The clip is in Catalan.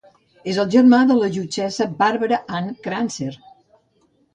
És el germà de la jutgessa Barbara Ann Crancer.